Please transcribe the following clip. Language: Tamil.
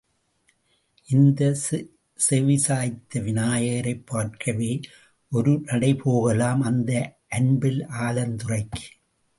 இந்த செவிசாய்த்த விநாயகரைப் பார்க்கவே ஒரு நடைபோகலாம், அந்த அன்பில் ஆலந்துறைக்கு.